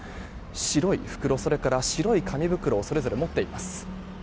白い袋、それから白い紙袋をそれぞれ持っています。